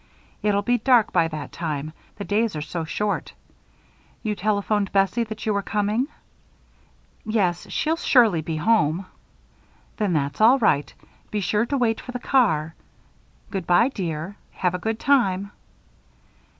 It'll be dark by that time the days are so short. You telephoned Bessie that you were coming?" "Yes, she'll surely be home." "Then that's all right. Be sure to wait for the car. Good by, dear. Have a good time."